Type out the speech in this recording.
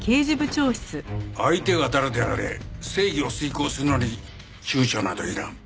相手が誰であれ正義を遂行するのに躊躇などいらん。